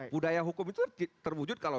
budaya hukum itu terwujud kalau